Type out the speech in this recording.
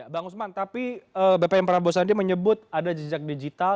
bang usman tapi bpm prabowo sandi menyebut ada jejak digital